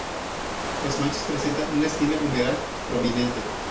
Los machos presentan una espina humeral prominente.